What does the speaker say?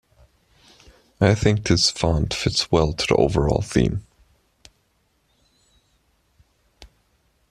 I think this font fits well to the overall theme.